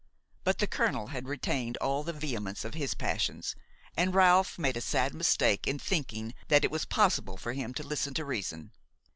But the colonel had retained all the vehemence of his passions, and Ralph made a sad mistake in thinking that it was possible for him to listen to reason.